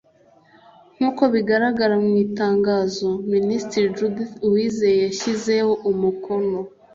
nk’uko bigaragara mu itangazo Minisitiri Judith Uwizeye yashyizeho umukono